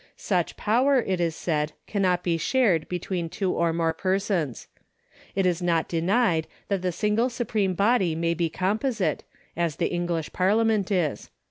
Such power, it is said, cannot be shared between two or more persons. It is not denied that the single supreme body may be composite, as the English Parliament is.